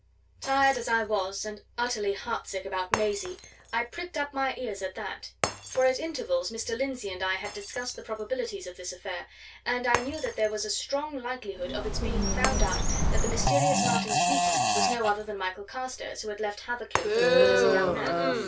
Tired as I was, and utterly heart sick about Maisie, I pricked up my ears at that. For at intervals Mr. Lindsey and I had discussed the probabilities of this affair, and I knew that there was a strong likelihood of its being found out that the mysterious Martin Smeaton was no other than the Michael Carstairs who had left Hathercleugh for good as a young man.